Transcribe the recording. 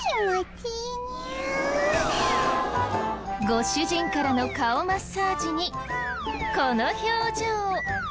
ご主人からの顔マッサージにこの表情。